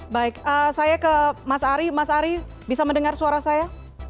baik saya ke mas ari mas ari bisa mendengar suara saya